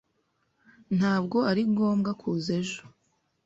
Ntabwo ari ngombwa kuza ejo.